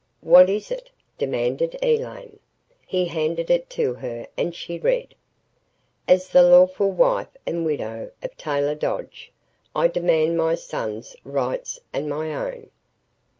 "What is it?" demanded Elaine. He handed it to her and she read: "As the lawful wife and widow of Taylor Dodge, I demand my son's rights and my own.